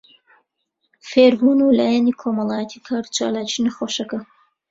فێربوون و لایەنی کۆمەڵایەتی و کاروچالاکی نەخۆشەکە